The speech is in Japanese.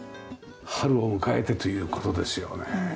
春を迎えてという事ですよね。